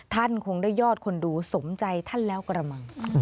ท่านคงได้ยอดคนดูสมใจท่านแล้วกระมัง